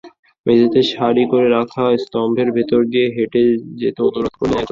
মেঝেতে সারি করে রাখা স্তম্ভের ভেতর দিয়ে হেঁটে যেতে অনুরোধ করলেন একজন।